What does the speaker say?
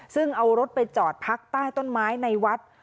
ซึ่งเอารถไปจอดพักใต้ต้นไม้ในวัด